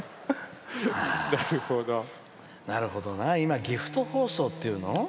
なるほどな、今ギフト包装っていうの。